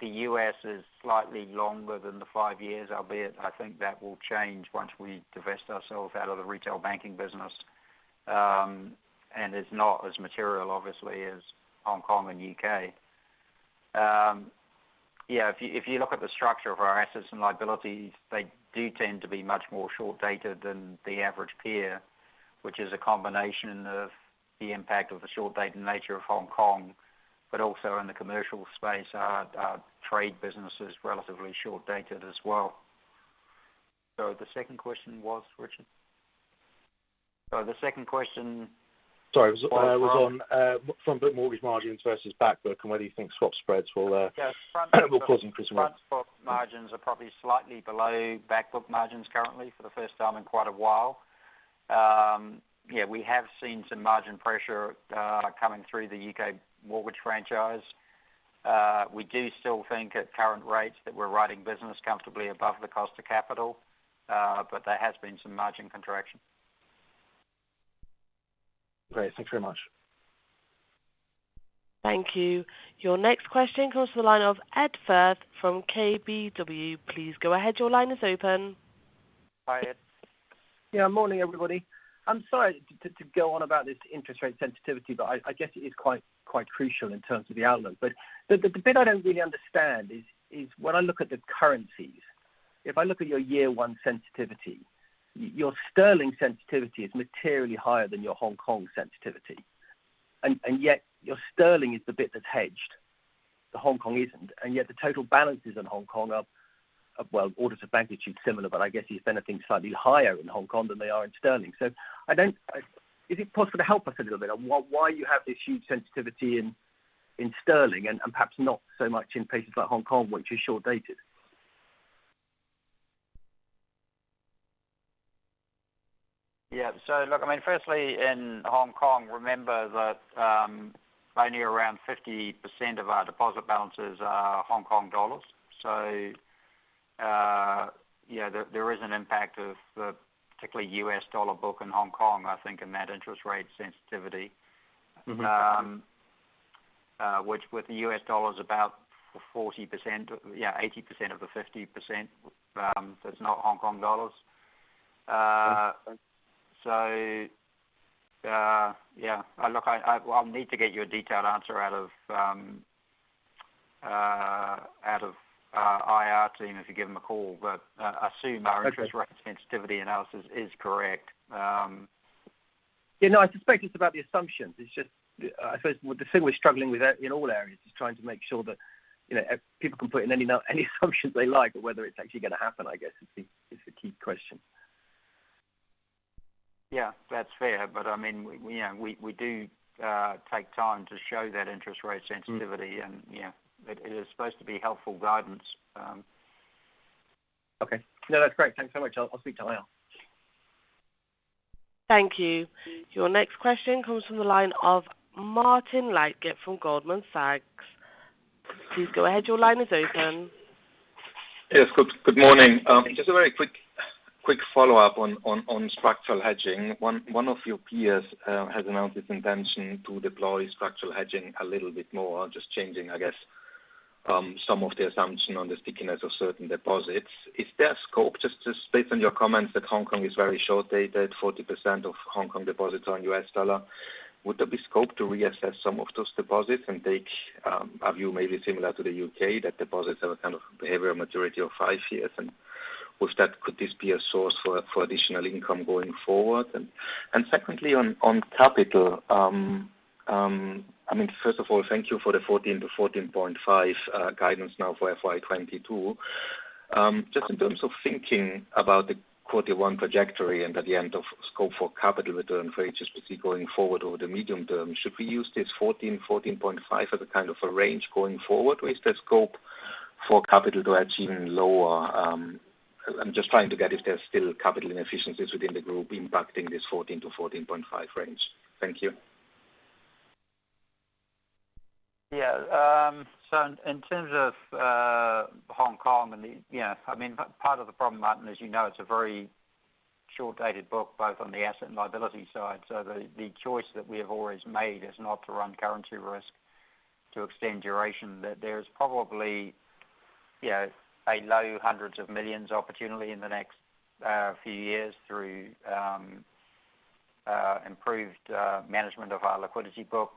The U.S. is slightly longer than the five years, albeit I think that will change once we divest ourselves out of the retail banking business. It's not as material, obviously, as Hong Kong and U.K. If you look at the structure of our assets and liabilities, they do tend to be much more short-dated than the average peer, which is a combination of the impact of the short-dated nature of Hong Kong, but also in the commercial space, our trade business is relatively short-dated as well. The second question was, Richard? Sorry. It was on front book mortgage margins versus back book and whether you think swap spreads will cause an increase in. Front book margins are probably slightly below back book margins currently for the first time in quite a while. Yeah, we have seen some margin pressure coming through the U.K. mortgage franchise. We do still think at current rates that we're writing business comfortably above the cost of capital, but there has been some margin contraction. Great. Thanks very much. Thank you. Your next question comes from the line of Ed Firth from KBW. Please go ahead. Your line is open. Hi, Ed. Yeah, morning, everybody. I'm sorry to go on about this interest rate sensitivity, but I guess it is quite crucial in terms of the outlook. The bit I don't really understand is when I look at the currencies, if I look at your year one sensitivity, your sterling sensitivity is materially higher than your Hong Kong sensitivity. Yet your sterling is the bit that's hedged. The Hong Kong isn't, and yet the total balances in Hong Kong are, well, orders of magnitude similar, but I guess you're spending slightly higher in Hong Kong than they are in sterling. Is it possible to help us a little bit on why you have this huge sensitivity in sterling and perhaps not so much in places like Hong Kong, which is short-dated? Yeah. Look, firstly, in Hong Kong, remember that only around 50% of our deposit balances are Hong Kong dollars. There is an impact of the particularly U.S. dollar book in Hong Kong, I think, in that interest rate sensitivity. Which with the U.S. dollar is about 40%, yeah, 80% of the 50%, so it's not Hong Kong dollars. Okay. Yeah. Look, I'll need to get you a detailed answer out of our IR team if you give them a call, but I assume our interest rate sensitivity analysis is correct. Yeah, no, I suspect it's about the assumptions. I suppose the thing we're struggling with in all areas is trying to make sure that people can put in any assumptions they like, but whether it's actually going to happen, I guess, is the key question. Yeah, that's fair. We do take time to show that interest rate sensitivity. It is supposed to be helpful guidance. Okay. No, that's great. Thanks so much. I'll speak to Lyle. Thank you. Your next question comes from the line of Martin Leitgeb from Goldman Sachs. Please go ahead. Your line is open. Yes. Good morning. Just a very quick follow-up on structural hedging. One of your peers has announced its intention to deploy structural hedging a little bit more, just changing, I guess, some of the assumption on the stickiness of certain deposits. Is there scope, just based on your comments that Hong Kong is very short-dated, 40% of Hong Kong deposits are in U.S. dollars, would there be scope to reassess some of those deposits and take a view maybe similar to the U.K., that deposits have a kind of behavioral maturity of five years? Could this be a source for additional income going forward? Secondly, on capital. First of all, thank you for the 14%-14.5% guidance now for FY 2022. Just in terms of thinking about the quarter one trajectory and at the end of scope for capital return for HSBC going forward over the medium term, should we use this 14.5% as a kind of a range going forward? Is there scope for capital to achieve even lower? I'm just trying to get if there's still capital inefficiencies within the group impacting this 14%-14.5% range. Thank you. Yeah. In terms of Hong Kong and the part of the problem, Martin, as you know, it's a very short-dated book, both on the asset and liability side. There's probably a low hundreds of millions opportunity in the next few years through improved management of our liquidity book.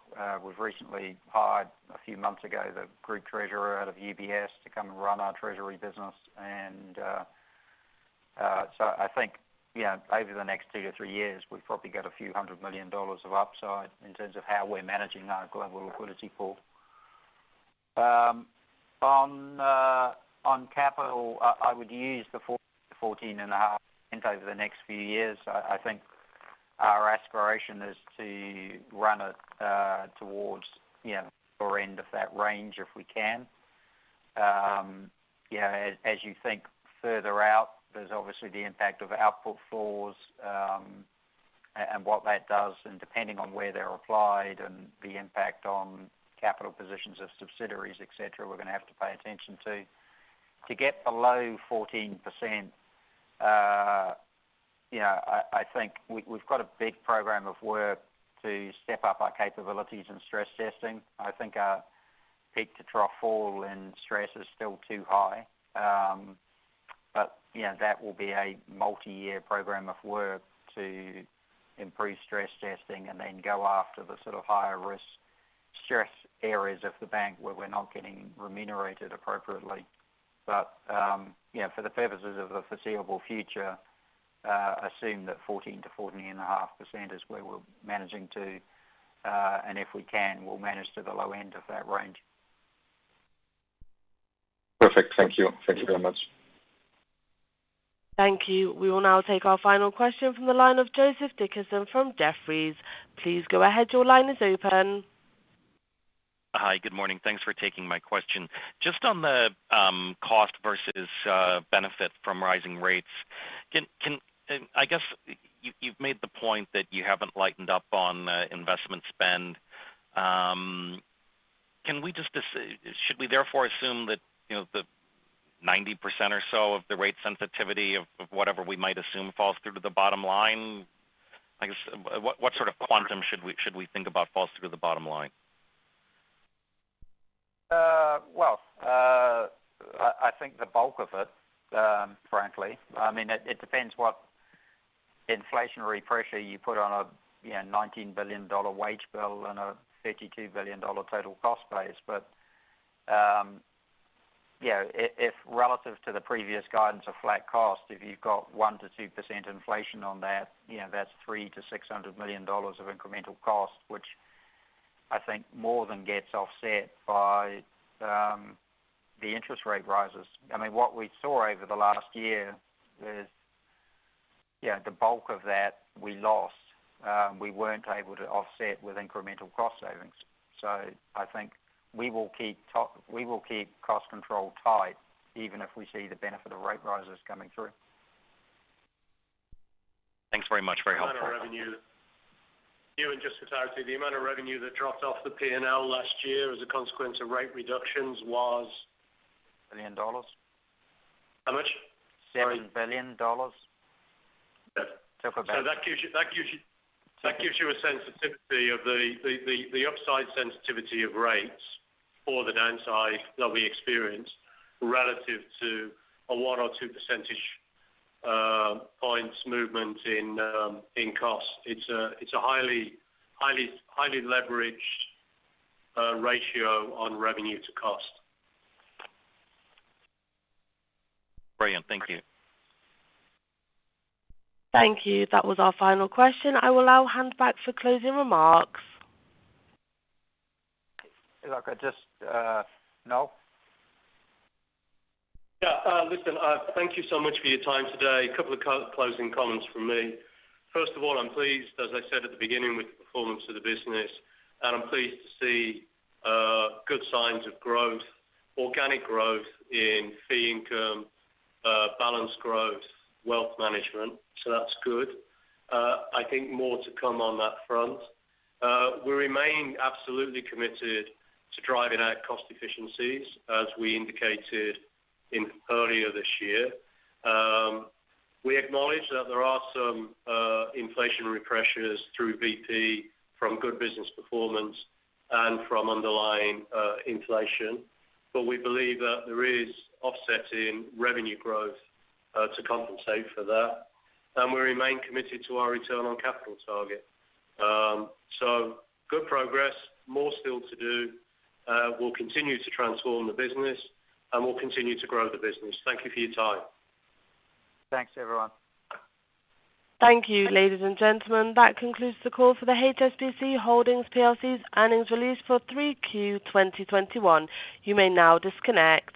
We've recently hired, a few months ago, the group treasurer out of UBS to come and run our treasury business. I think over the next two or three years, we've probably got a few hundred million of upside in terms of how we're managing our global liquidity pool. On capital, I would use the 14.5% over the next few years. I think our aspiration is to run it towards lower end of that range if we can. As you think further out, there's obviously the impact of output floors, and what that does, and depending on where they're applied and the impact on capital positions of subsidiaries, et cetera, we're going to have to pay attention to. To get below 14%, I think we've got a big program of work to step up our capabilities and stress testing. I think our peak to trough fall in stress is still too high. That will be a multi-year program of work to improve stress testing and then go after the higher risk stress areas of the bank where we're not getting remunerated appropriately. For the purposes of the foreseeable future, assume that 14%-14.5% is where we're managing to. If we can, we'll manage to the low end of that range. Perfect. Thank you. Thank you very much. Thank you. We will now take our final question from the line of Joseph Dickerson from Jefferies. Please go ahead. Your line is open. Hi. Good morning. Thanks for taking my question. Just on the cost versus benefit from rising rates. You've made the point that you haven't lightened up on investment spend. Should we therefore assume that the 90% or so of the rate sensitivity of whatever we might assume falls through to the bottom line? What sort of quantum should we think about falls through the bottom line? Well, I think the bulk of it, frankly. It depends what inflationary pressure you put on a $19 billion wage bill and a $32 billion total cost base. If relative to the previous guidance of flat cost, if you've got 1%-2% inflation on that's $300 million-$600 million of incremental cost, which I think more than gets offset by the interest rate rises. What we saw over the last year is the bulk of that we lost. We weren't able to offset with incremental cost savings. I think we will keep cost control tight even if we see the benefit of rate rises coming through. Thanks very much. Very helpful. The amount of revenue, Ewen, just to clarify, the amount of revenue that dropped off the P&L last year as a consequence of rate reductions was. $7 billion. How much. Sorry? $7 billion. That gives you a sensitivity of the upside sensitivity of rates or the downside that we experience relative to a 1 or 2 percentage points movement in cost. It's a highly leveraged ratio on revenue to cost. Brilliant. Thank you. Thank you. That was our final question. I will now hand back for closing remarks. Look, I just Noel? Yeah. Listen, thank you so much for your time today. Couple of closing comments from me. First of all, I'm pleased, as I said at the beginning, with the performance of the business, and I'm pleased to see good signs of growth, organic growth in fee income, balanced growth, wealth management. That's good. I think more to come on that front. We remain absolutely committed to driving out cost efficiencies as we indicated earlier this year. We acknowledge that there are some inflationary pressures through PBT from good business performance and from underlying inflation. We believe that there is offset in revenue growth to compensate for that. We remain committed to our return on capital target. Good progress, more still to do. We'll continue to transform the business, and we'll continue to grow the business. Thank you for your time. Thanks, everyone. Thank you, ladies and gentlemen. That concludes the call for the HSBC Holdings plc's earnings release for 3Q 2021. You may now disconnect.